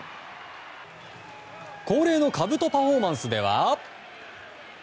恒例のかぶとパフォーマンスでは。